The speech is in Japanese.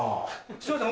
すいません